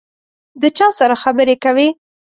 د چا سره خبري کوې ؟